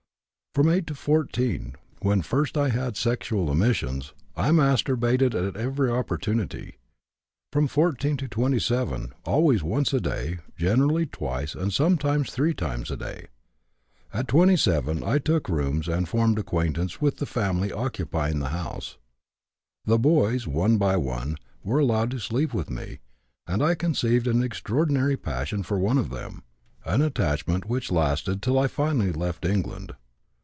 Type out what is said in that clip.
From 8 to 14, when first I had sexual emissions, I masturbated at every opportunity. From 14 to 27, always once a day, generally twice and sometimes three times a day. At 27 I took rooms and formed acquaintance with the family occupying the house. The boys, one by one, were allowed to sleep with me and I conceived an extraordinary passion for one of them, an attachment which lasted till I finally left England.